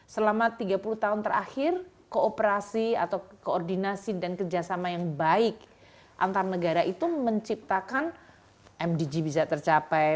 selama tiga puluh tahun terakhir kooperasi atau koordinasi dan kerjasama yang baik antar negara itu menciptakan mdg bisa tercapai